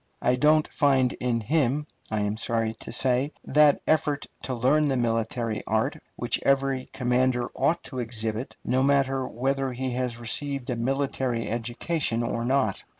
I don't find in him, I am sorry to say, that effort to learn the military art which every commander ought to exhibit, no matter whether he has received a military education or not.